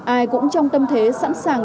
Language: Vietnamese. ai cũng trong tâm thế sẵn sàng